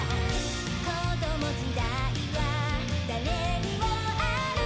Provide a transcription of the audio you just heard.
「子ども時代は誰にもある」